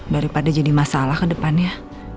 daripada jadi masalah ke depannya